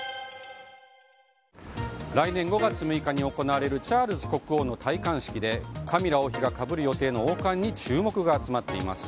来年５月６日に行われるチャールズ国王の戴冠式でカミラ王妃がかぶる予定の王冠に注目が集まっています。